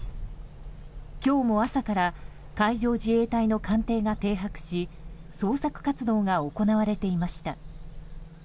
今日も朝から海上自衛隊の艦艇が停泊し捜索活動が行われていました。